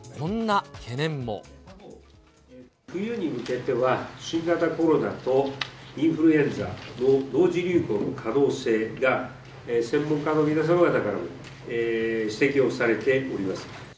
冬に向けては、新型コロナとインフルエンザの同時流行の可能性が、専門家の皆様方からも指摘をされております。